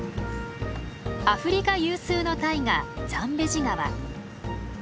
アフリカ有数の大河ザンベジ川。